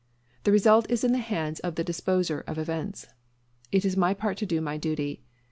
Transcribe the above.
The result is in the hands of the Disposer of events. It is my part to do my duty.